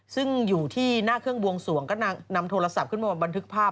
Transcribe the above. ซึ่งอยู่ที่หน้าเครื่องบวงสวงก็นำโทรศัพท์ขึ้นมาบันทึกภาพ